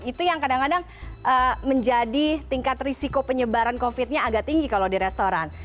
itu yang kadang kadang menjadi tingkat risiko penyebaran covid nya agak tinggi kalau di restoran